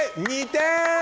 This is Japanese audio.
２点！